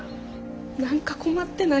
何か困ってない？